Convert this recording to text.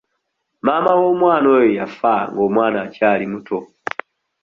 Maama w'omwana oyo yafa nga omwana akyali muto.